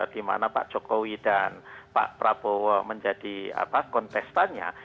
dimana pak jokowi dan pak prabowo menjadi kontestannya